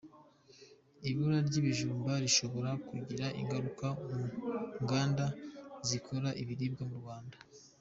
Ibura ry’ibijumba rishobora kugira ingaruka mu nganda zikora ibiribwa mu Rwanda